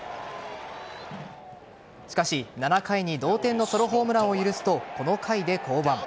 しかし、７回に同点のソロホームランを許すとこの回で降板。